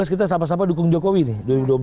dua ribu dua belas kita sama sama dukung jokowi nih